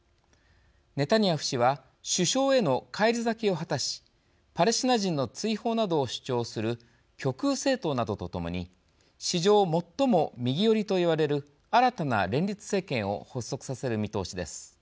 ネタニヤフ氏は首相への返り咲きを果たしパレスチナ人の追放などを主張する極右政党などとともに史上最も右寄りと言われる新たな連立政権を発足させる見通しです。